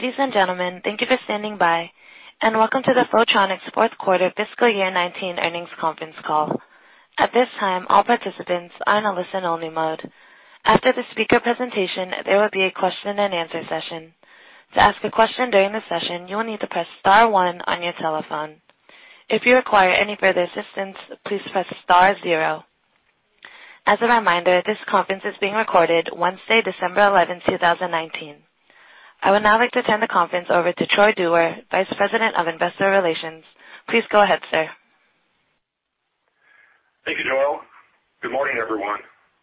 Ladies and gentlemen, thank you for standing by, and welcome to the Photronics Fourth Quarter Fiscal Year 2019 Earnings Conference Call. At this time, all participants are in a listen-only mode. After the speaker presentation, there will be a question-and-answer session. To ask a question during the session, you will need to press star one on your telephone. If you require any further assistance, please press star zero. As a reminder, this conference is being recorded Wednesday, December 11, 2019. I would now like to turn the conference over to Troy Dewar, Vice President of Investor Relations. Please go ahead, sir. Thank you, Joel. Good morning, everyone.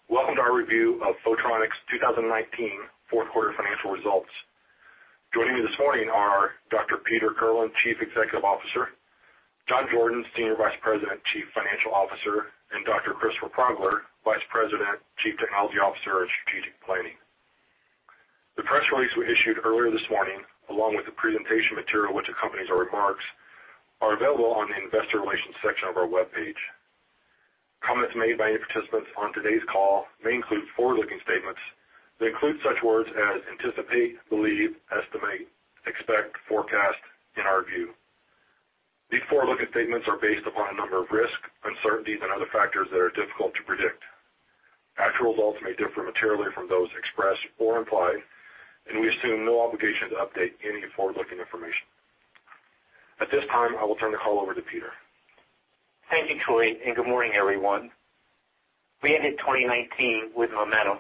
Welcome to our review of Photronics' 2019 Fourth Quarter Financial results. Joining me this morning are Dr. Peter Kirlin, Chief Executive Officer, John Jordan, Senior Vice President, Chief Financial Officer, and Dr. Christopher Progler, Vice President, Chief Technology Officer and Strategic Planning. The press release we issued earlier this morning, along with the presentation material which accompanies our remarks, is available on the Investor Relations section of our webpage. Comments made by any participants on today's call may include forward-looking statements that include such words as anticipate, believe, estimate, expect, forecast, and our view. These forward-looking statements are based upon a number of risks, uncertainties, and other factors that are difficult to predict. Actual results may differ materially from those expressed or implied, and we assume no obligation to update any forward-looking information. At this time, I will turn the call over to Peter. Thank you, Troy, and good morning, everyone. We entered 2019 with momentum,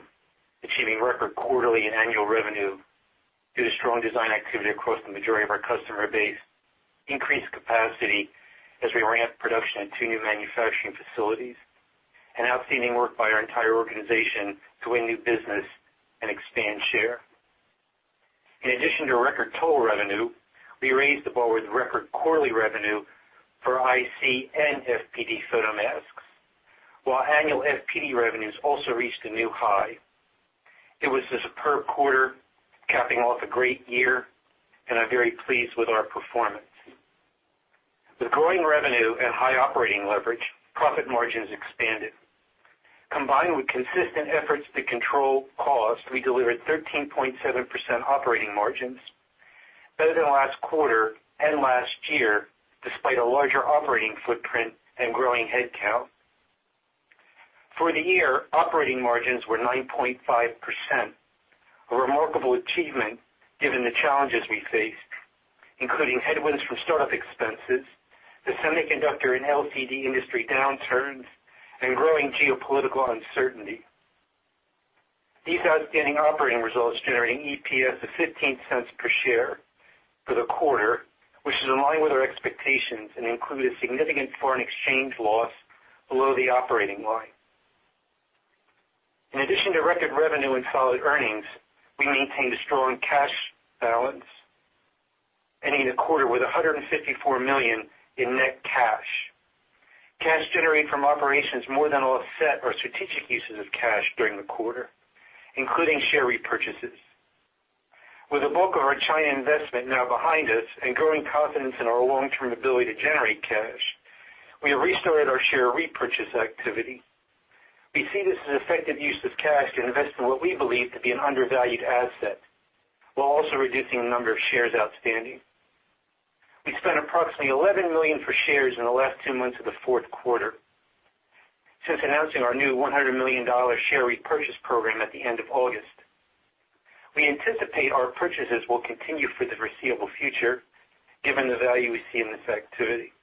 achieving record quarterly and annual revenue due to strong design activity across the majority of our customer base, increased capacity as we ramped production at two new manufacturing facilities, and outstanding work by our entire organization to win new business and expand share. In addition to record total revenue, we raised the bar with record quarterly revenue for IC and FPD photomasks, while annual FPD revenues also reached a new high. It was a superb quarter, capping off a great year, and I'm very pleased with our performance. With growing revenue and high operating leverage, profit margins expanded. Combined with consistent efforts to control cost, we delivered 13.7% operating margins, better than last quarter and last year, despite a larger operating footprint and growing headcount. For the year, operating margins were 9.5%, a remarkable achievement given the challenges we faced, including headwinds from startup expenses, the semiconductor and LCD industry downturns, and growing geopolitical uncertainty. These outstanding operating results generated an EPS of $0.15 per share for the quarter, which is in line with our expectations and included significant foreign exchange loss below the operating line. In addition to record revenue and solid earnings, we maintained a strong cash balance, ending the quarter with $154 million in net cash, cash generated from operations more than offset our strategic uses of cash during the quarter, including share repurchases. With the bulk of our China investment now behind us and growing confidence in our long-term ability to generate cash, we have restarted our share repurchase activity. We see this as effective use of cash to invest in what we believe to be an undervalued asset, while also reducing the number of shares outstanding. We spent approximately $11 million for shares in the last two months of the fourth quarter, since announcing our new $100 million share repurchase program at the end of August. We anticipate our purchases will continue for the foreseeable future, given the value we see in this activity.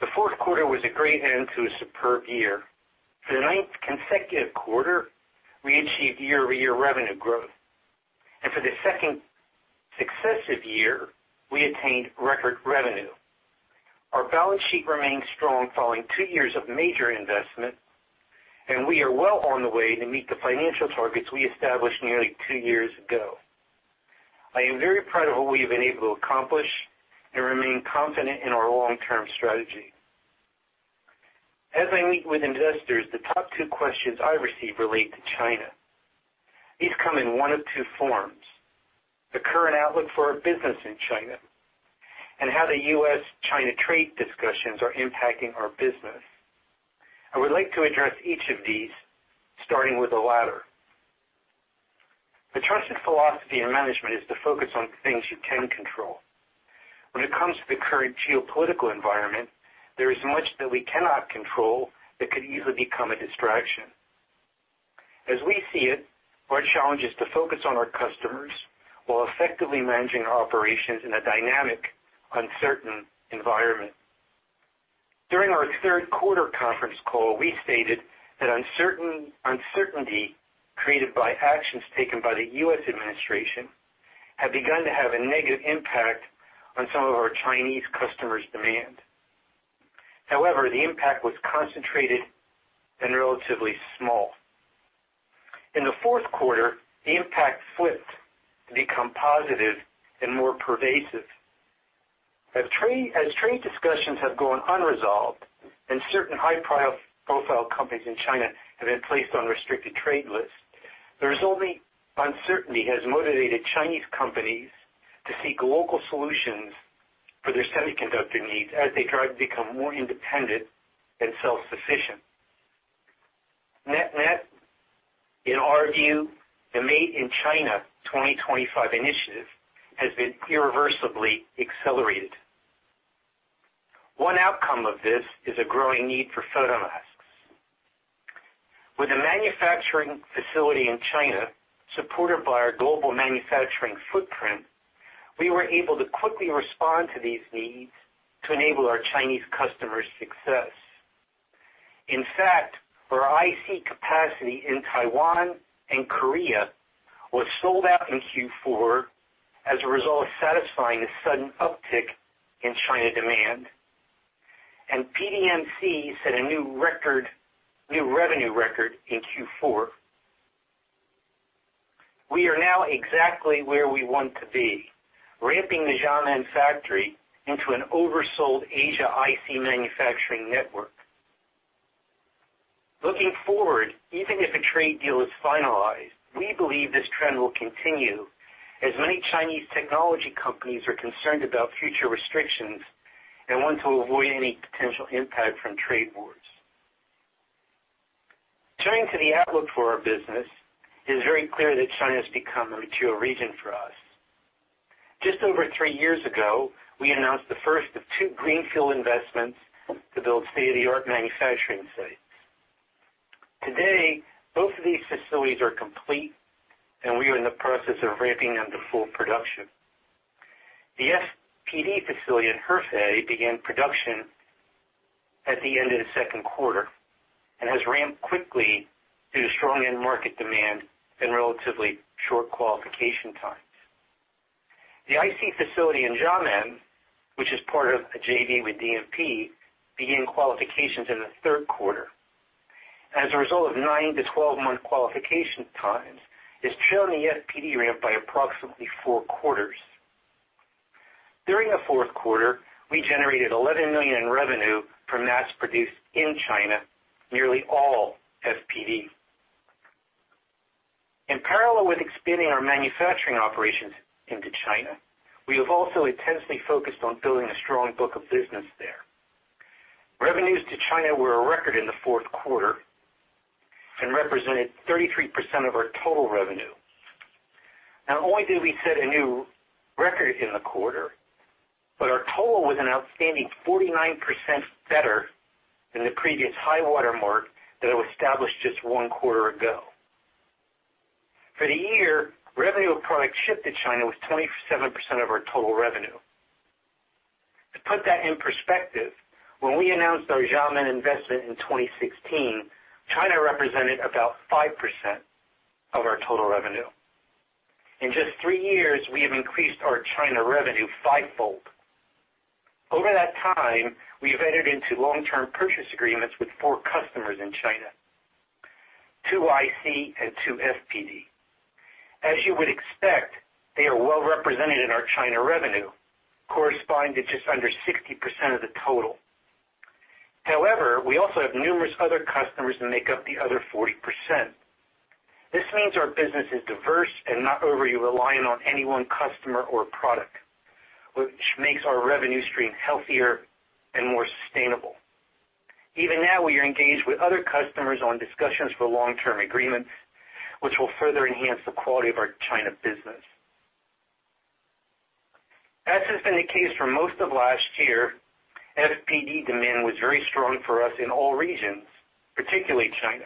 The fourth quarter was a great end to a superb year. For the ninth consecutive quarter, we achieved year-over-year revenue growth, and for the second successive year, we attained record revenue. Our balance sheet remains strong following two years of major investment, and we are well on the way to meet the financial targets we established nearly two years ago. I am very proud of what we have been able to accomplish and remain confident in our long-term strategy. As I meet with investors, the top two questions I receive relate to China. These come in one of two forms, the current outlook for our business in China and how the U.S.-China trade discussions are impacting our business. I would like to address each of these, starting with the latter. The trusted philosophy in management is to focus on things you can control. When it comes to the current geopolitical environment, there is much that we cannot control that could easily become a distraction. As we see it, our challenge is to focus on our customers while effectively managing our operations in a dynamic, uncertain environment. During our third quarter conference call, we stated that uncertainty created by actions taken by the U.S. administration had begun to have a negative impact on some of our Chinese customers' demand. However, the impact was concentrated and relatively small. In the fourth quarter, the impact flipped to become positive and more pervasive. As trade discussions have gone unresolved and certain high-profile companies in China have been placed on restricted trade lists, the resulting uncertainty has motivated Chinese companies to seek local solutions for their semiconductor needs as they try to become more independent and self-sufficient. In our view, the Made in China 2025 initiative has been irreversibly accelerated. One outcome of this is a growing need for photomasks. With a manufacturing facility in China supported by our global manufacturing footprint, we were able to quickly respond to these needs to enable our Chinese customers' success. In fact, our IC capacity in Taiwan and Korea was sold out in Q4 as a result of satisfying the sudden uptick in China demand, and PDMC set a new revenue record in Q4. We are now exactly where we want to be, ramping the Xiamen factory into an oversold Asia IC manufacturing network. Looking forward, even if a trade deal is finalized, we believe this trend will continue as many Chinese technology companies are concerned about future restrictions and want to avoid any potential impact from trade wars. Turning to the outlook for our business, it is very clear that China has become a mature region for us. Just over three years ago, we announced the first of two greenfield investments to build state-of-the-art manufacturing sites. Today, both of these facilities are complete, and we are in the process of ramping them to full production. The FPD facility in Hefei began production at the end of the second quarter and has ramped quickly due to strong end-market demand and relatively short qualification times. The IC facility in Xiamen, which is part of a JV with DNP, began qualifications in the third quarter. As a result of 9-month to 12-month qualification times, it's trailing the FPD ramp by approximately four quarters. During the fourth quarter, we generated $11 million in revenue from mass-produced in China, nearly all FPD. In parallel with expanding our manufacturing operations into China, we have also intensely focused on building a strong book of business there. Revenues to China were a record in the fourth quarter and represented 33% of our total revenue. Not only did we set a new record in the quarter, but our total was an outstanding 49% better than the previous high-water mark that was established just one quarter ago. For the year, revenue of product shipped to China was 27% of our total revenue. To put that in perspective, when we announced our Xiamen investment in 2016, China represented about 5% of our total revenue. In just three years, we have increased our China revenue fivefold. Over that time, we have entered into long-term purchase agreements with four customers in China, two IC and two FPD. As you would expect, they are well represented in our China revenue, corresponding to just under 60% of the total. However, we also have numerous other customers that make up the other 40%. This means our business is diverse and not overly reliant on any one customer or product, which makes our revenue stream healthier and more sustainable. Even now, we are engaged with other customers on discussions for long-term agreements, which will further enhance the quality of our China business. As has been the case for most of last year, FPD demand was very strong for us in all regions, particularly China.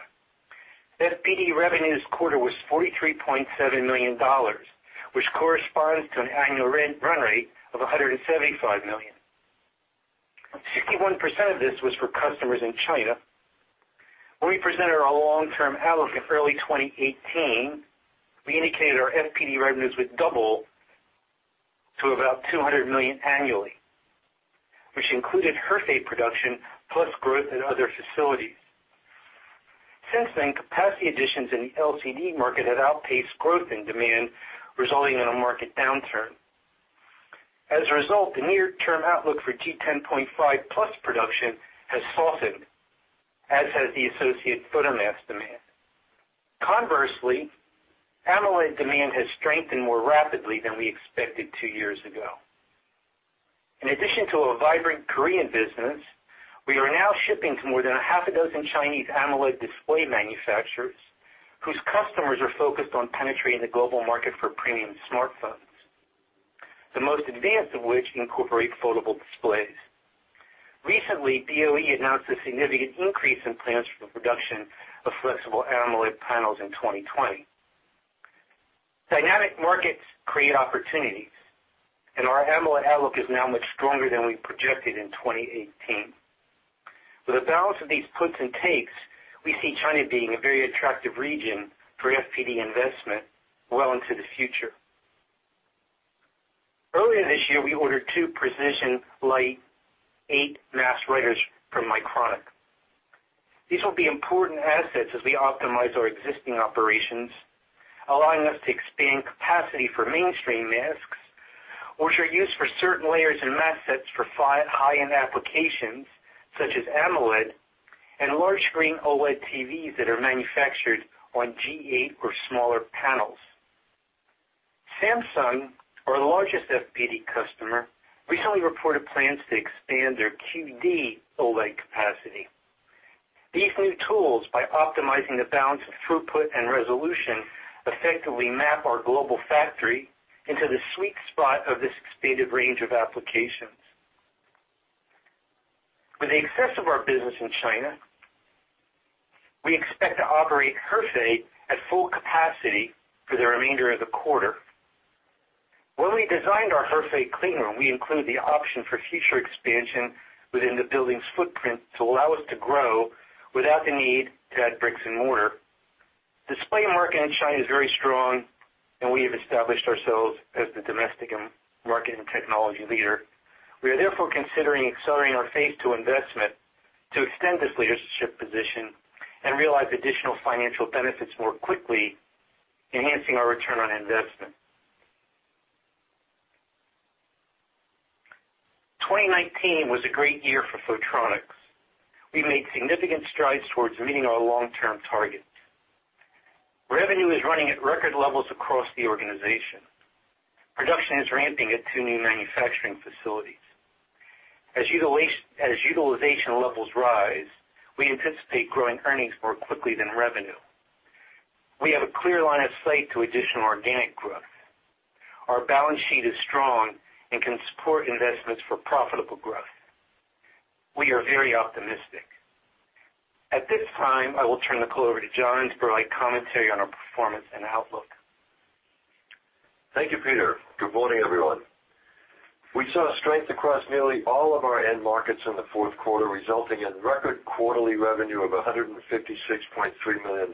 FPD revenue this quarter was $43.7 million, which corresponds to an annual run rate of $175 million. 61% of this was for customers in China. When we presented our long-term outlook in early 2018, we indicated our FPD revenues would double to about $200 million annually, which included Hefei production plus growth at other facilities. Since then, capacity additions in the LCD market have outpaced growth in demand, resulting in a market downturn. As a result, the near-term outlook for G10.5 Plus production has softened, as has the associated photomask demand. Conversely, AMOLED demand has strengthened more rapidly than we expected two years ago. In addition to a vibrant Korean business, we are now shipping to more than half a dozen Chinese AMOLED display manufacturers, whose customers are focused on penetrating the global market for premium smartphones, the most advanced of which incorporate foldable displays. Recently, BOE announced a significant increase in plans for the production of flexible AMOLED panels in 2020. Dynamic markets create opportunities, and our AMOLED outlook is now much stronger than we projected in 2018. With a balance of these puts and takes, we see China being a very attractive region for FPD investment well into the future. Earlier this year, we ordered two Prexision Lite 8 mask writers from Mycronic. These will be important assets as we optimize our existing operations, allowing us to expand capacity for mainstream masks, which are used for certain layers and mask sets for high-end applications such as AMOLED, and large-screen OLED TVs that are manufactured on G8 or smaller panels. Samsung, our largest FPD customer, recently reported plans to expand their QD-OLED capacity. These new tools, by optimizing the balance of throughput and resolution, effectively map our global factory into the sweet spot of this expanded range of applications. With the success of our business in China, we expect to operate Hefei at full capacity for the remainder of the quarter. When we designed our Hefei cleanroom, we included the option for future expansion within the building's footprint to allow us to grow without the need to add bricks and mortar. The display market in China is very strong, and we have established ourselves as the domestic market and technology leader. We are therefore considering accelerating our phase II investment to extend this leadership position and realize additional financial benefits more quickly, enhancing our return on investment. 2019 was a great year for Photronics. We made significant strides towards meeting our long-term target. Revenue is running at record levels across the organization. Production is ramping at two new manufacturing facilities. As utilization levels rise, we anticipate growing earnings more quickly than revenue. We have a clear line of sight to additional organic growth. Our balance sheet is strong and can support investments for profitable growth. We are very optimistic. At this time, I will turn the call over to John for his commentary on our performance and outlook. Thank you, Peter. Good morning, everyone. We saw strength across nearly all of our end markets in the fourth quarter, resulting in record quarterly revenue of $156.3 million, 13%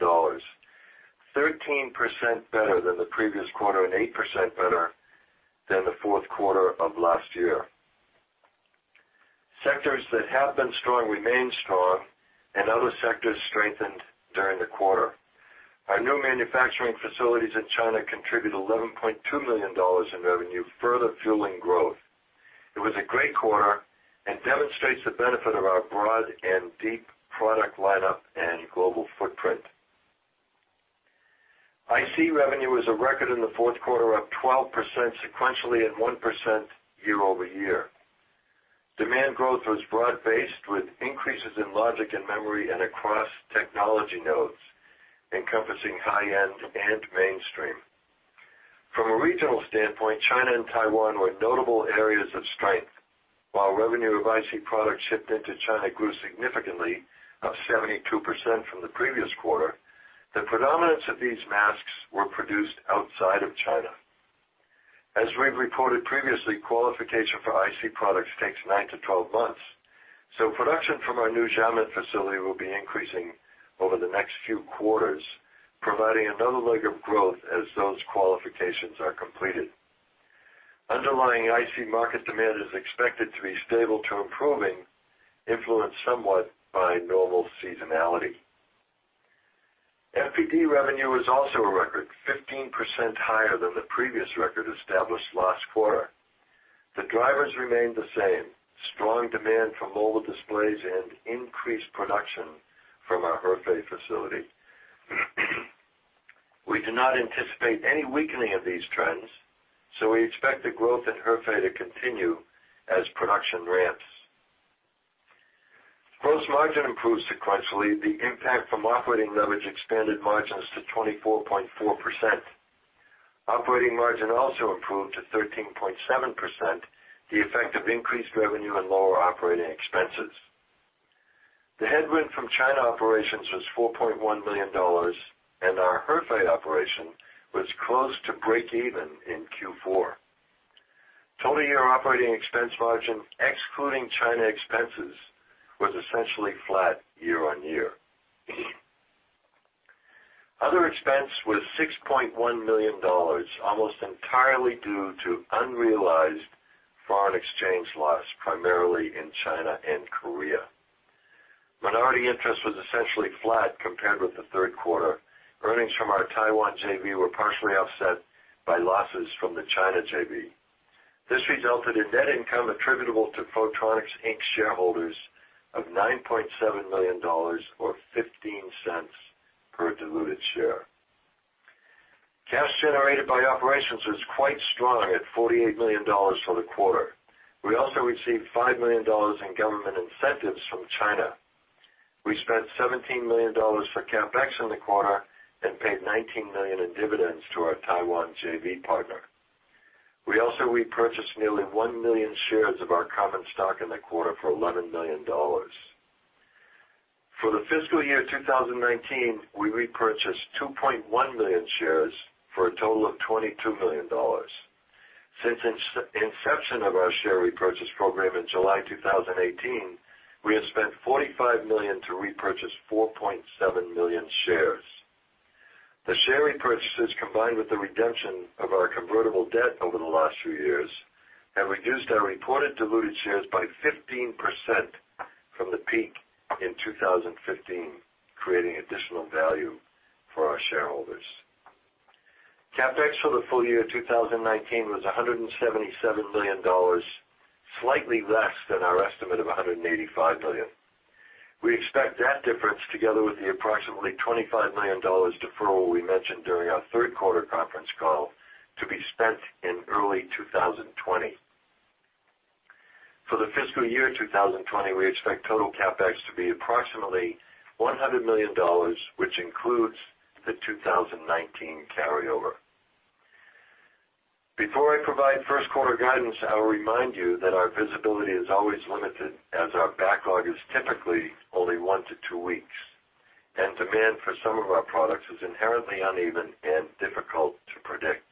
better than the previous quarter and 8% better than the fourth quarter of last year. Sectors that have been strong remained strong, and other sectors strengthened during the quarter. Our new manufacturing facilities in China contribute $11.2 million in revenue, further fueling growth. It was a great quarter and demonstrates the benefit of our broad and deep product lineup and global footprint. IC revenue was a record in the fourth quarter, up 12% sequentially and 1% year-over-year. Demand growth was broad-based, with increases in logic and memory and across technology nodes, encompassing high-end and mainstream. From a regional standpoint, China and Taiwan were notable areas of strength. While revenue of IC products shipped into China grew significantly, up 72% from the previous quarter, the predominance of these masks was produced outside of China. As we've reported previously, qualification for IC products takes 9 months-12 months, so production from our new Xiamen facility will be increasing over the next few quarters, providing another leg of growth as those qualifications are completed. Underlying IC market demand is expected to be stable to improving, influenced somewhat by normal seasonality. FPD revenue was also a record, 15% higher than the previous record established last quarter. The drivers remained the same, strong demand for mobile displays and increased production from our Hefei facility. We do not anticipate any weakening of these trends, so we expect the growth in Hefei to continue as production ramps. Gross margin improved sequentially. The impact from operating leverage expanded margins to 24.4%. Operating margin also improved to 13.7%, the effect of increased revenue and lower operating expenses. The headwind from China operations was $4.1 million, and our Hefei operation was close to break-even in Q4. Total year operating expense margin, excluding China expenses, was essentially flat year-on-year. Other expense was $6.1 million, almost entirely due to unrealized foreign exchange loss, primarily in China and Korea. Minority interest was essentially flat compared with the third quarter. Earnings from our Taiwan JV was partially offset by losses from the China JV. This resulted in net income attributable to Photronics Inc shareholders of $9.7 million, or $0.15 per diluted share. Cash generated by operations was quite strong at $48 million for the quarter. We also received $5 million in government incentives from China. We spent $17 million for CapEx in the quarter and paid $19 million in dividends to our Taiwan JV partner. We also repurchased nearly one million shares of our common stock in the quarter for $11 million. For the fiscal year 2019, we repurchased 2.1 million shares for a total of $22 million. Since the inception of our share repurchase program in July 2018, we have spent $45 million to repurchase 4.7 million shares. The share repurchases, combined with the redemption of our convertible debt over the last few years, have reduced our reported diluted shares by 15% from the peak in 2015, creating additional value for our shareholders. CapEx for the full year 2019 was $177 million, slightly less than our estimate of $185 million. We expect that difference, together with the approximately $25 million deferral we mentioned during our third quarter conference call, to be spent in early 2020. For the fiscal year 2020, we expect total CapEx to be approximately $100 million, which includes the 2019 carryover. Before I provide first-quarter guidance, I'll remind you that our visibility is always limited, as our backlog is typically only one to two weeks, and demand for some of our products is inherently uneven and difficult to predict.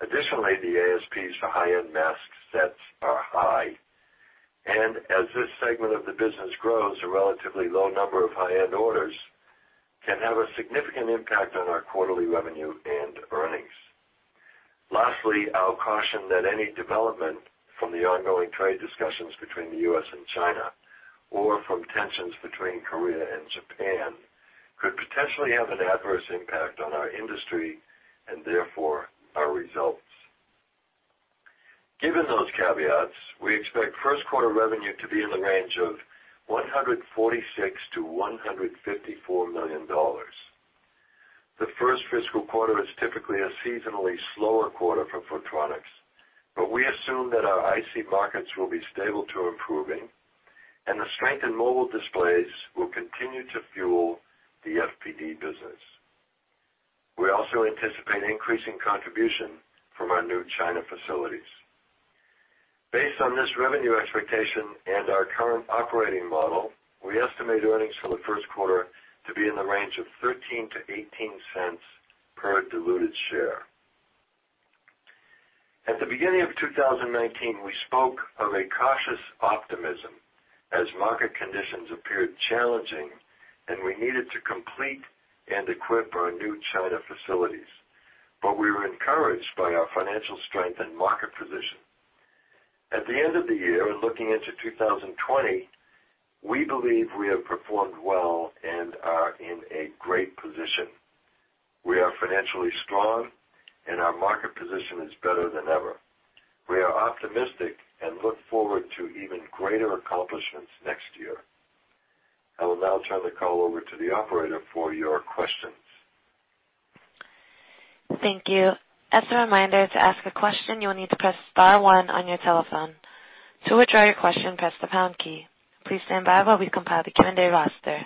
Additionally, the ASPs for high-end mask sets are high, and as this segment of the business grows, a relatively low number of high-end orders can have a significant impact on our quarterly revenue and earnings. Lastly, I'll caution that any development from the ongoing trade discussions between the U.S. and China or from tensions between Korea and Japan could potentially have an adverse impact on our industry and therefore our results. Given those caveats, we expect first-quarter revenue to be in the range of $146 million-$154 million. The first fiscal quarter is typically a seasonally slower quarter for Photronics, but we assume that our IC markets will be stable to improving, and the strength in mobile displays will continue to fuel the FPD business. We also anticipate increasing contribution from our new China facilities. Based on this revenue expectation and our current operating model, we estimate earnings for the first quarter to be in the range of $0.13-$0.18 per diluted share. At the beginning of 2019, we spoke of a cautious optimism as market conditions appeared challenging, and we needed to complete and equip our new China facilities, but we were encouraged by our financial strength and market position. At the end of the year and looking into 2020, we believe we have performed well and are in a great position. We are financially strong, and our market position is better than ever. We are optimistic and look forward to even greater accomplishments next year. I will now turn the call over to the operator for your questions. Thank you. As a reminder, to ask a question, you will need to press star one on your telephone. To withdraw your question, press the pound key. Please stand by while we compile the Q&A roster.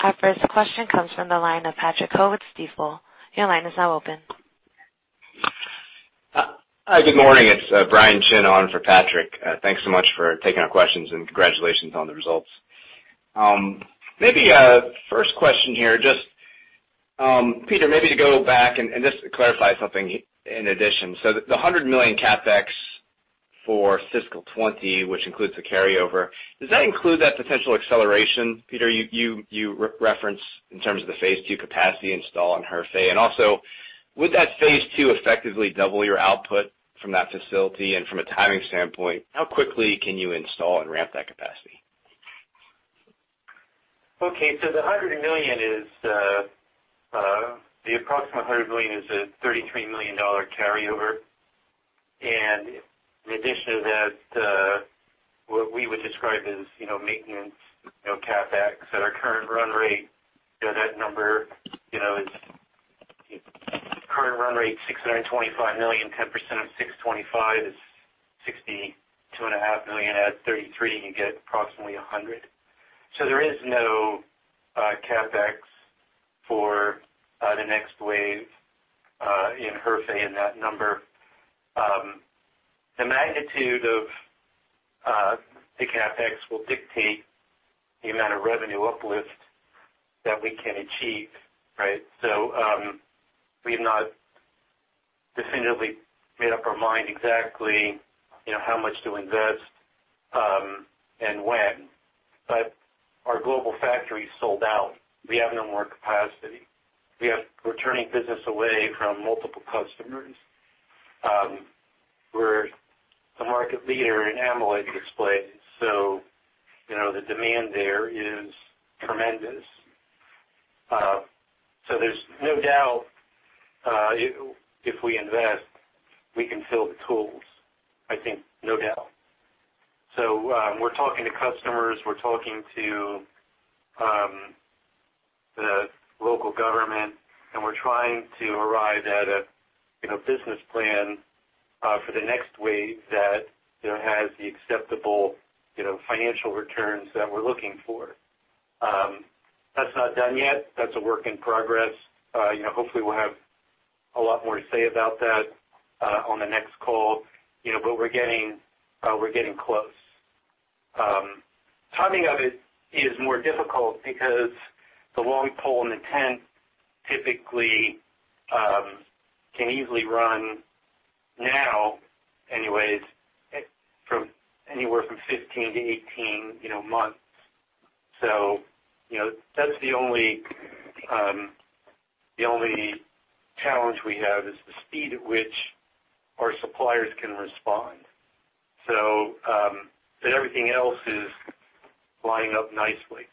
Our first question comes from the line of Patrick Ho with Stifel. Your line is now open. Hi, good morning. It's Brian Chin on for Patrick. Thanks so much for taking our questions, and congratulations on the results. Maybe first question here, just Peter, maybe to go back and just clarify something in addition. So the $100 million CapEx for fiscal 2020, which includes the carryover, does that include that potential acceleration, Peter, you referenced in terms of the phase II capacity install on Hefei? And also, would that phase II effectively double your output from that facility? And from a timing standpoint, how quickly can you install and ramp that capacity? Okay. The approximate $100 million is a $33 million carryover. In addition to that, what we would describe as maintenance CapEx at our current run rate, that number is current run rate $625 million, 10% of $625 million is $62.5 million add $33, you get approximately $100. There is no CapEx for the next wave in Hefei in that number. The magnitude of the CapEx will dictate the amount of revenue uplift that we can achieve, right? We have not definitively made up our mind exactly how much to invest and when. Our global factory is sold out. We have no more capacity. We have returning business away from multiple customers. We're the market leader in AMOLED displays, so the demand there is tremendous. There's no doubt if we invest, we can fill the tools, I think, no doubt. So we're talking to customers, we're talking to the local government, and we're trying to arrive at a business plan for the next wave that has the acceptable financial returns that we're looking for. That's not done yet. That's a work in progress. Hopefully, we'll have a lot more to say about that on the next call, but we're getting close. Timing of it is more difficult because the long pole in the tent typically can easily run now, anyways, anywhere from 15 months-18 months. So that's the only challenge we have is the speed at which our suppliers can respond. So everything else is lining up nicely.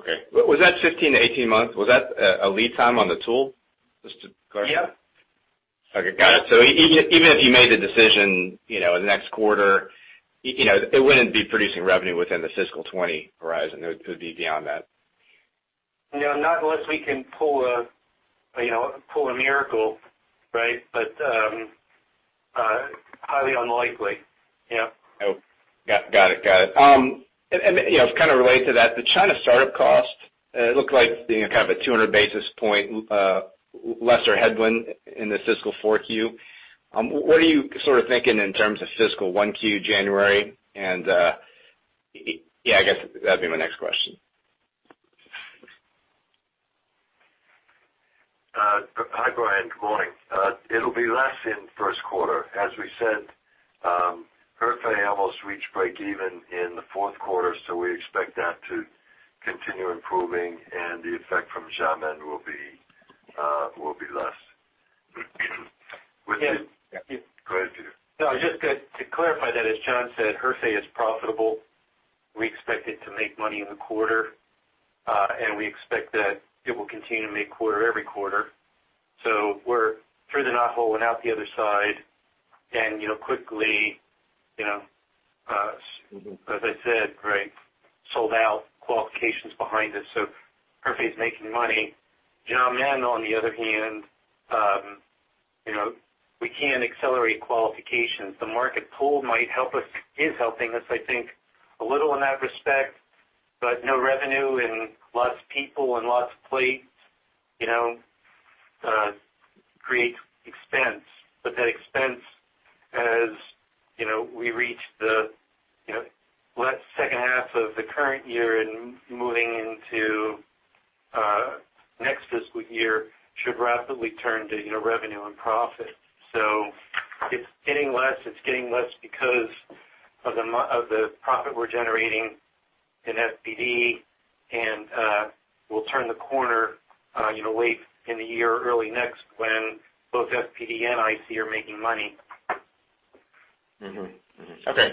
Okay. Was that 15 months-18 months? Was that a lead time on the tool? Just to clarify. Yep. Okay. Got it. So even if you made the decision in the next quarter, it wouldn't be producing revenue within the fiscal 2020 horizon. It would be beyond that. No, not unless we can pull a miracle, right? But highly unlikely. Yep. Oh, got it. Got it. And it's kind of related to that. The China startup cost, it looked like kind of a 200 basis point lesser headwind in the fiscal 4Q. What are you sort of thinking in terms of fiscal 1Q January? And yeah, I guess that'd be my next question. Hi, Brian. Good morning. It'll be less in first quarter. As we said, Hefei almost reached break-even in the fourth quarter, so we expect that to continue improving, and the effect from Xiamen will be less. Yep. Go ahead, Peter. No, just to clarify that, as John said, Hefei is profitable. We expect it to make money in the quarter, and we expect that it will continue to make quarter every quarter. So we're through the knothole and out the other side, and quickly, as I said, right, sold out qualifications behind us, so Hefei's making money. Xiamen, on the other hand, we can accelerate qualifications. The market pool might help us, is helping us, I think, a little in that respect, but no revenue and lots of people and lots of plates create expense. But that expense, as we reach the second half of the current year and moving into next fiscal year, should rapidly turn to revenue and profit. So it's getting less. It's getting less because of the profit we're generating in FPD, and we'll turn the corner late in the year, early next, when both FPD and IC are making money. Okay.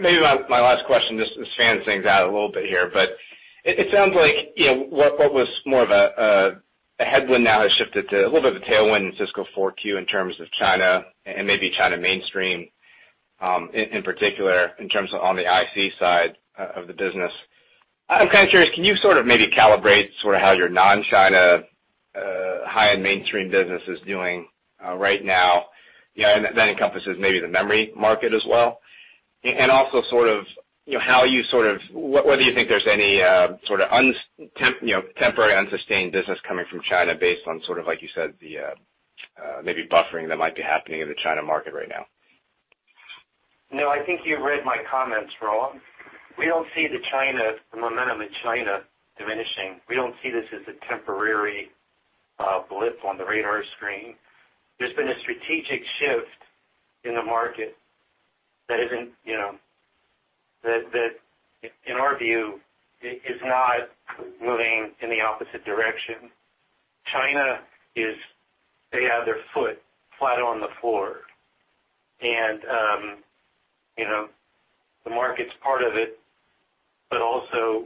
Maybe my last question, just to flesh things out a little bit here, but it sounds like what was more of a headwind now has shifted to a little bit of a tailwind in fiscal 4Q in terms of China and maybe China mainstream in particular in terms of on the IC side of the business. I'm kind of curious, can you sort of maybe calibrate sort of how your non-China high-end mainstream business is doing right now? That encompasses maybe the memory market as well, and also sort of how you sort of whether you think there's any sort of temporary unsustained business coming from China based on sort of, like you said, the maybe buffering that might be happening in the China market right now. No, I think you read my comments, Brian. We don't see the momentum in China diminishing. We don't see this as a temporary blip on the radar screen. There's been a strategic shift in the market that, in our view, is not moving in the opposite direction. China is, they have their foot flat on the floor, and the market's part of it, but also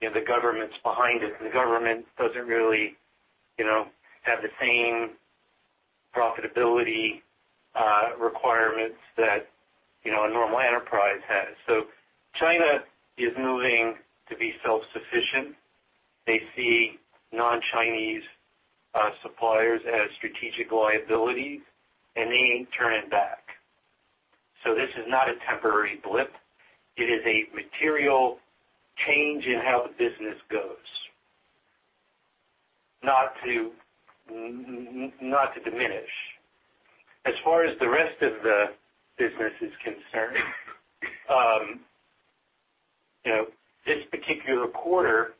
the government's behind it, and the government doesn't really have the same profitability requirements that a normal enterprise has. So China is moving to be self-sufficient. They see non-Chinese suppliers as strategic liabilities, and they ain't turning back. So this is not a temporary blip. It is a material change in how the business goes, not to diminish. As far as the rest of the business is concerned, this particular quarter,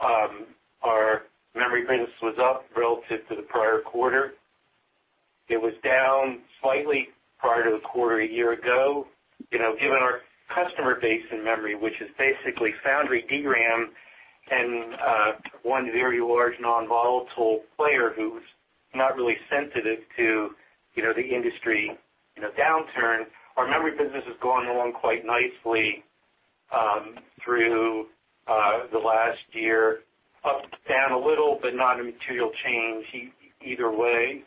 our memory business was up relative to the prior quarter. It was down slightly prior to the quarter a year ago, given our customer base in memory, which is basically foundry DRAM and one very large non-volatile player who's not really sensitive to the industry downturn. Our memory business has gone along quite nicely through the last year, up, down a little, but not a material change either way.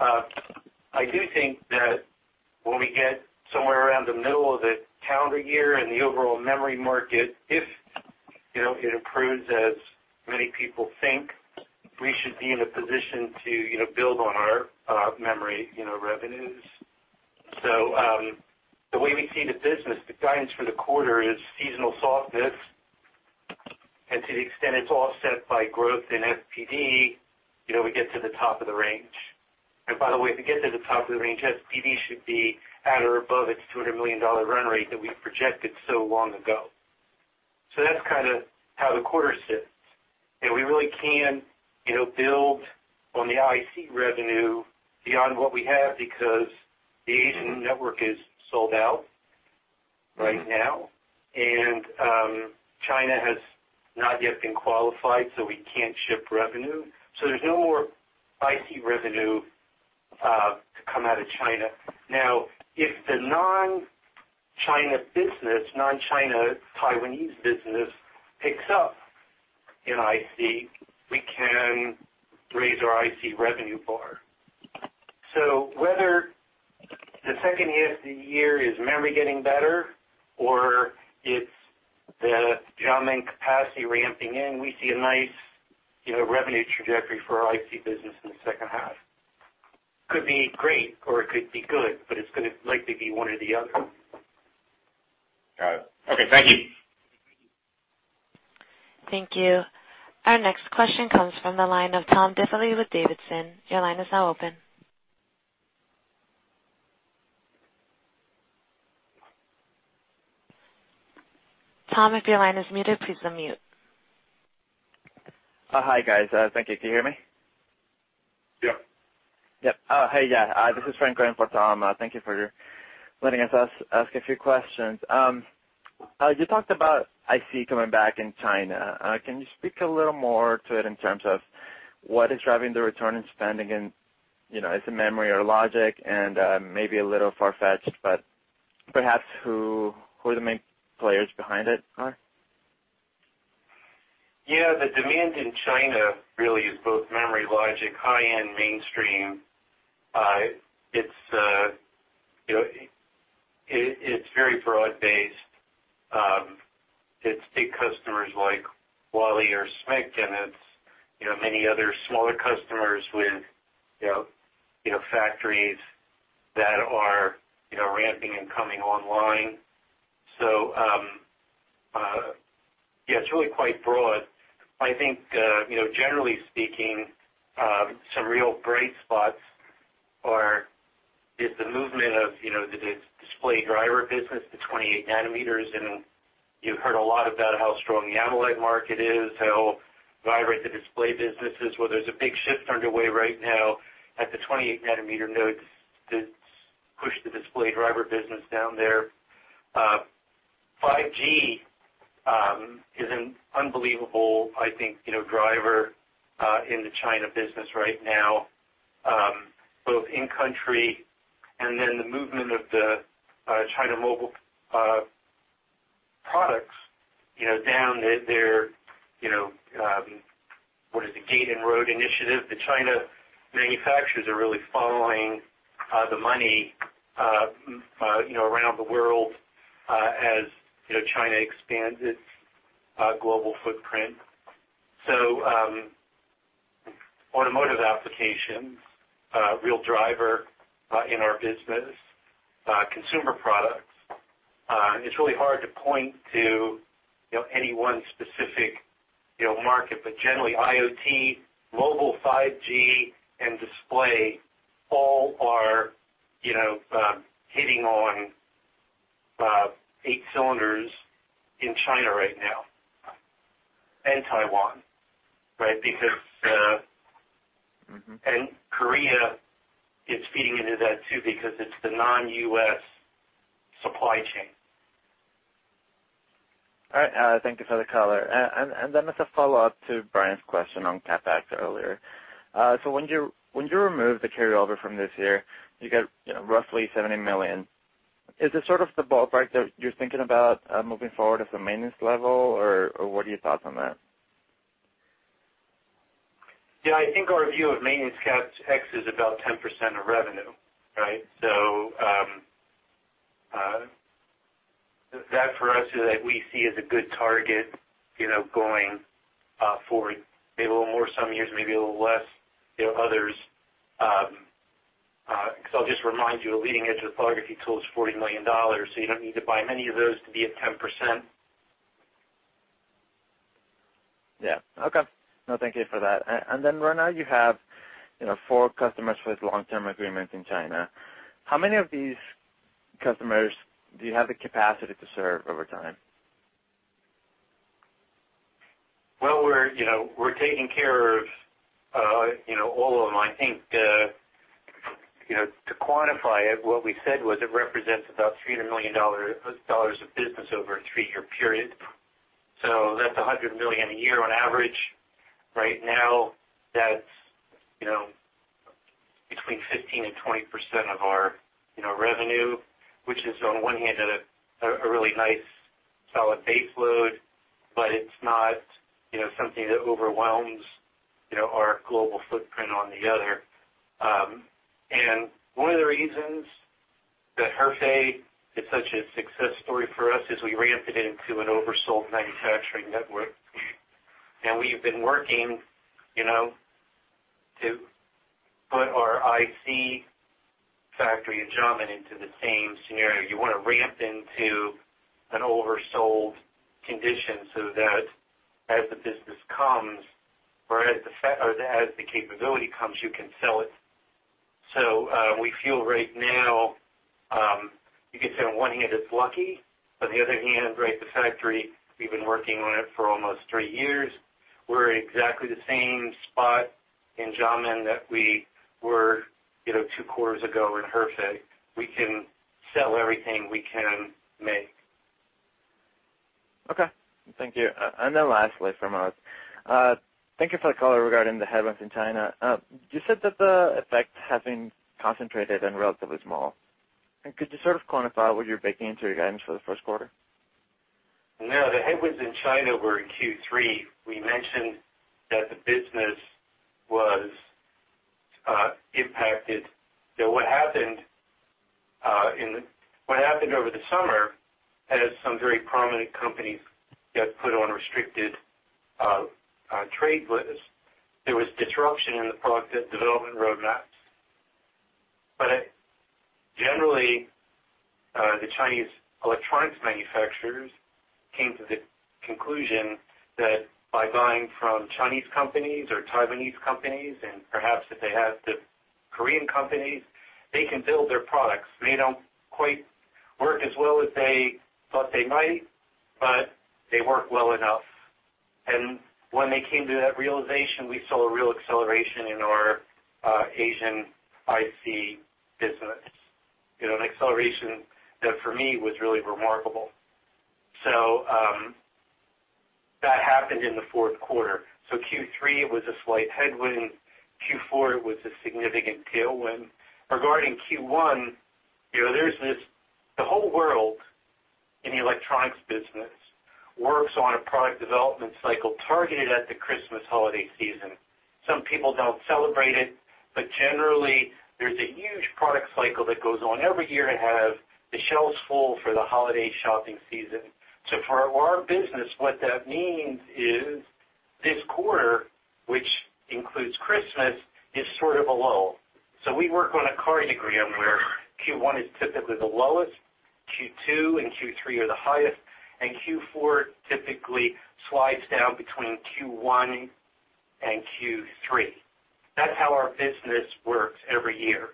I do think that when we get somewhere around the middle of the calendar year and the overall memory market, if it improves as many people think, we should be in a position to build on our memory revenues, so the way we see the business, the guidance for the quarter is seasonal softness, and to the extent it's offset by growth in FPD, we get to the top of the range. And by the way, if we get to the top of the range, FPD should be at or above its $200 million run rate that we projected so long ago. So that's kind of how the quarter sits. And we really can build on the IC revenue beyond what we have because the Asian network is sold out right now, and China has not yet been qualified, so we can't ship revenue. So there's no more IC revenue to come out of China. Now, if the non-China business, non-China Taiwanese business picks up in IC, we can raise our IC revenue bar. So whether the second half of the year is memory getting better or it's the Xiamen capacity ramping in, we see a nice revenue trajectory for our IC business in the second half. Could be great or it could be good, but it's going to likely be one or the other. Got it. Okay. Thank you. Thank you. Our next question comes from the line of Tom Diffely with D.A. Davidson. Your line is now open. Tom, if your line is muted, please unmute. Hi, guys. Thank you. Can you hear me? Yep. Yep. Oh, hey, yeah. This is Franklin for Tom. Thank you for letting us ask a few questions. You talked about IC coming back in China. Can you speak a little more to it in terms of what is driving the return on spending in, is it memory or logic? And maybe a little far-fetched, but perhaps who the main players behind it are? Yeah. The demand in China really is both memory, logic, high-end mainstream. It's very broad-based. It's big customers like Huali or SMIC, and it's many other smaller customers with factories that are ramping and coming online. So yeah, it's really quite broad. I think, generally speaking, some real bright spots are the movement of the display driver business, the 28 nm. And you heard a lot about how strong the AMOLED market is, how vibrant the display business is. Well, there's a big shift underway right now at the 28 nm nodes to push the display driver business down there. 5G is an unbelievable, I think, driver in the China business right now, both in-country and then the movement of the China mobile products down their, what is it, Belt and Road Initiative. The China manufacturers are really following the money around the world as China expands its global footprint. Automotive applications, real driver in our business, consumer products. It's really hard to point to any one specific market, but generally, IoT, mobile, 5G, and display all are hitting on eight cylinders in China right now and Taiwan, right? Korea is feeding into that too because it's the non-U.S. supply chain. All right. Thank you for the color. And then as a follow-up to Brian's question on CapEx earlier, so when you remove the carryover from this year, you get roughly $70 million. Is this sort of the ballpark that you're thinking about moving forward as a maintenance level, or what are your thoughts on that? Yeah. I think our view of maintenance CapEx is about 10% of revenue, right? So that for us is what we see as a good target going forward. Maybe a little more some years, maybe a little less, others. Because I'll just remind you, a leading-edge photolithography tool is $40 million, so you don't need to buy many of those to be at 10%. Yeah. Okay. No, thank you for that. And then right now you have four customers with long-term agreements in China. How many of these customers do you have the capacity to serve over time? Well, we're taking care of all of them. I think to quantify it, what we said was it represents about $300 million of business over a three-year period. So that's $100 million a year on average. Right now, that's between 15%-20% of our revenue, which is on one hand a really nice solid baseload, but it's not something that overwhelms our global footprint on the other. And one of the reasons that Hefei is such a success story for us is we ramped it into an oversold manufacturing network. And we've been working to put our IC factory in Xiamen into the same scenario. You want to ramp into an oversold condition so that as the business comes or as the capability comes, you can sell it. So we feel right now, you can say on one hand it's lucky, but on the other hand, right, the factory, we've been working on it for almost three years. We're in exactly the same spot in Xiamen that we were two quarters ago in Hefei. We can sell everything we can make. Okay. Thank you. And then lastly, from us, thank you for the color regarding the headwinds in China. You said that the effect has been concentrated and relatively small. And could you sort of quantify what you're baking into your guidance for the first quarter? No. The headwinds in China were in Q3. We mentioned that the business was impacted. What happened over the summer has some very prominent companies got put on restricted trade lists. There was disruption in the product development roadmaps, but generally, the Chinese electronics manufacturers came to the conclusion that by buying from Chinese companies or Taiwanese companies and perhaps if they have the Korean companies, they can build their products. They don't quite work as well as they thought they might, but they work well enough, and when they came to that realization, we saw a real acceleration in our Asian IC business, an acceleration that for me was really remarkable, so that happened in the fourth quarter, so Q3 was a slight headwind. Q4, it was a significant tailwind. Regarding Q1, the whole world in the electronics business works on a product development cycle targeted at the Christmas holiday season. Some people don't celebrate it, but generally, there's a huge product cycle that goes on every year to have the shelves full for the holiday shopping season. So for our business, what that means is this quarter, which includes Christmas, is sort of a lull. So we work on a cadence where Q1 is typically the lowest, Q2 and Q3 are the highest, and Q4 typically slides down between Q1 and Q3. That's how our business works every year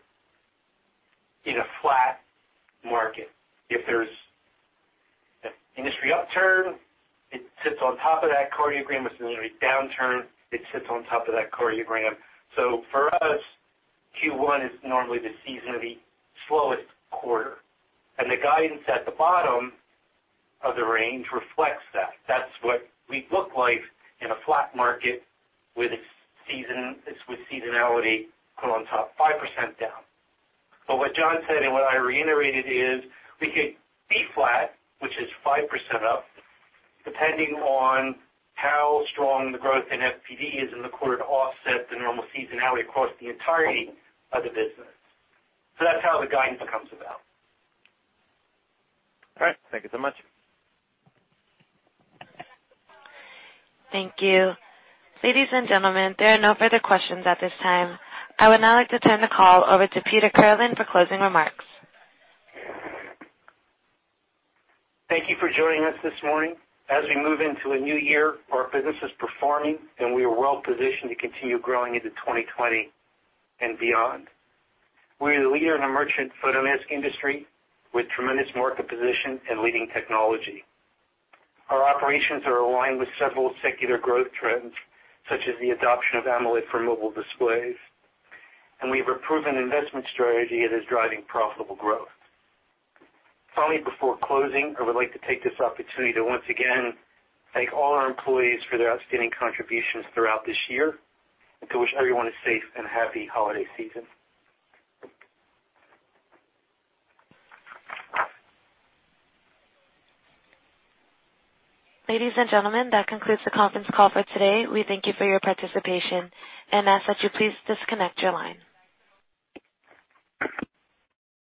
in a flat market. If there's industry upturn, it sits on top of that cadence. If there's a downturn, it sits on top of that cadence. So for us, Q1 is normally the seasonally slowest quarter. And the guidance at the bottom of the range reflects that. That's what we look like in a flat market with seasonality put on top, 5% down. But what John said and what I reiterated is we could be flat, which is 5% up, depending on how strong the growth in FPD is in the quarter to offset the normal seasonality across the entirety of the business. So that's how the guidance comes about. All right. Thank you so much. Thank you. Ladies and gentlemen, there are no further questions at this time. I would now like to turn the call over to Peter Kirlin for closing remarks. Thank you for joining us this morning. As we move into a new year, our business is performing, and we are well positioned to continue growing into 2020 and beyond. We are the leader in the merchant photomask industry with tremendous market position and leading technology. Our operations are aligned with several secular growth trends, such as the adoption of AMOLED for mobile displays, and we have a proven investment strategy that is driving profitable growth. Finally, before closing, I would like to take this opportunity to once again thank all our employees for their outstanding contributions throughout this year and to wish everyone a safe and happy holiday season. Ladies and gentlemen, that concludes the conference call for today. We thank you for your participation and ask that you please disconnect your line.